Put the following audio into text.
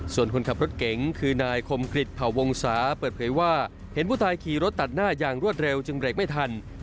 ส่วนคนขับรถเก๋งคือนายคมกริจเผ่าวงศาเปิดเผยว่าเห็นผู้ตายขี่รถตัดหน้าอย่างรวดเร็วจึงเบรกไม่ทัน